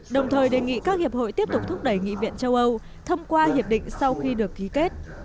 đồng thời đề nghị các hiệp hội tiếp tục thúc đẩy nghị viện châu âu thông qua hiệp định sau khi được ký kết